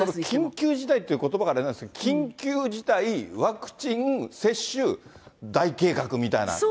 緊急事態っていうことばがあれなんですけれども、緊急事態ワクチン接種大計画みたいな。